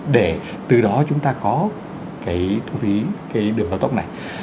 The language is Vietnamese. để từ đó chúng ta có cái thu phí cái đường cao tốc này